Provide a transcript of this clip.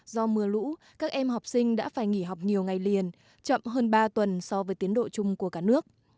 do mưa lũ các em học sinh đã phải nghỉ học nhiều ngày liền chậm hơn ba tuần so với tiến độ chung của cả nước